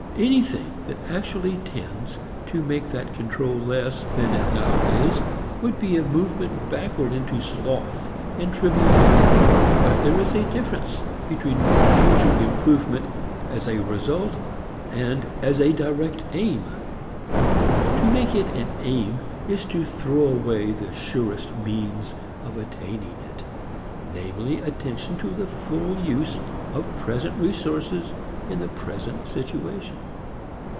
Anything that actually tends to make that control less than it now is would be a movement backward into sloth and triviality. But there is a difference between future improvement as a result and as a direct aim. To make it an aim is to throw away the surest means of attaining it, namely attention to the full use of present resources in the present situation.